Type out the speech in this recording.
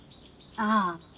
ああ。